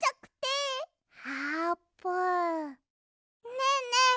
ねえねえ！